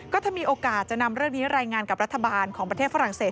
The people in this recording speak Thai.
ก็ถ้ามีโอกาสจะนำเรื่องนี้รายงานกับรัฐบาลของประเทศฝรั่งเศส